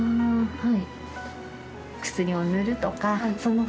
はい。